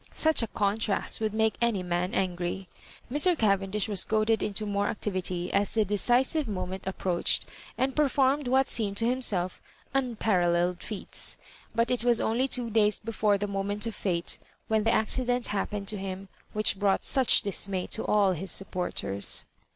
Such a contrast would make any man angry. Mr. Cavendish was goaded into more activity as the decisive moment approach ed, and performed what seemed to himself un paralleled feats. But it was only two days be fore the moment of &te when the accident hap pened to him which brought such dismay to all his supporters.